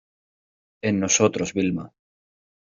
en nosotros, Vilma.